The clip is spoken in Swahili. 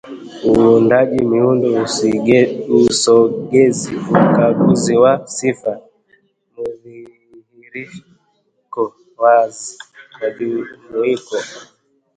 Uundaji Miundo Usogezi Ukaguzi wa sifa Mdhihiriko wazi Mjumuiko